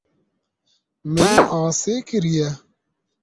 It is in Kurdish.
Min asê kiriye.